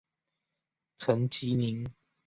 陈吉宁。